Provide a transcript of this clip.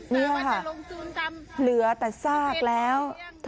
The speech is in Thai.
นี่ค่ะเหลือแต่ซากแล้ว